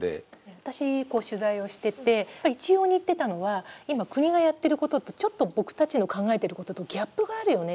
私取材をしててやっぱり一様に言ってたのは「今国がやってることとちょっと僕たちの考えていることとギャップがあるよね」と。